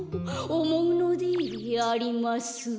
「おもうのでありますうう」